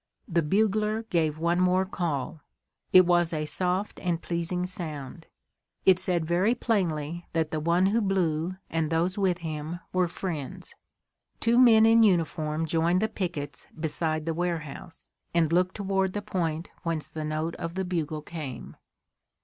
The bugler gave one more call. It was a soft and pleasing sound. It said very plainly that the one who blew and those with him were friends. Two men in uniform joined the pickets beside the warehouse, and looked toward the point whence the note of the bugle came.